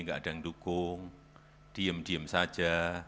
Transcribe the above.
nggak ada yang dukung diem diem saja